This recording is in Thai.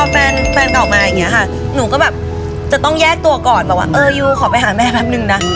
พอแฟนกล่องมาอย่างเงี้ยค่ะหนูก็แบบจะต้องแยกตัวก่อนเออยูขอไปหาแม่แป๊บนึงนะ